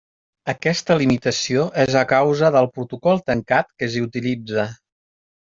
Aquesta limitació és a causa del protocol tancat que s'hi utilitza.